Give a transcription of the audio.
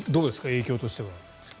影響としては。